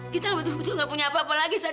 kita betul betul gak punya apa apa lagi sat